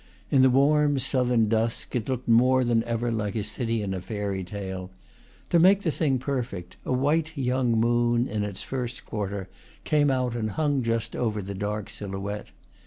In the warm southern dusk it looked more than ever like a city in a fairy tale. To make the thing perfect, a white young moon, in its first quarter, came out and hung just over the dark sil houette.